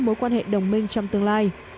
mối quan hệ đồng minh trong tương lai